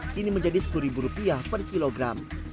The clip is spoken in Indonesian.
kini menjadi rp sepuluh per kilogram